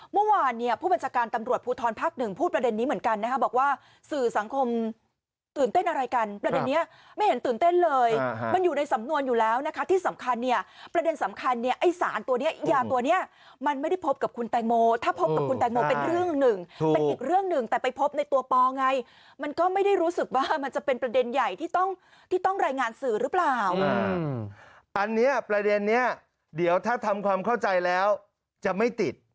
เมื่อวานเนี่ยผู้บัญชาการตำรวจภูทรภาคหนึ่งพูดประเด็นนี้เหมือนกันนะครับบอกว่าสื่อสังคมตื่นเต้นอะไรกันประเด็นนี้ไม่เห็นตื่นเต้นเลยมันอยู่ในสำนวนอยู่แล้วนะคะที่สำคัญเนี่ยประเด็นสำคัญเนี่ยไอ้สารตัวเนี่ยยาตัวเนี่ยมันไม่ได้พบกับคุณแตงโมถ้าพบกับคุณแตงโมเป็นเรื่องหนึ่งเป็นอีกเรื่องหนึ่งแต่ไป